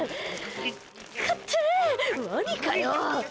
かってぇ、ワニかよ。